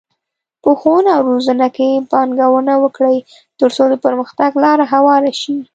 په ښوونه او روزنه کې پانګونه وکړئ، ترڅو د پرمختګ لاره هواره شي.